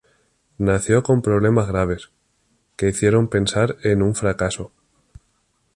Nació con problemas graves, que hicieron pensar en un fracaso.